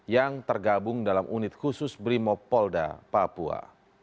yang tergabung dalam unit khusus brimop polda papua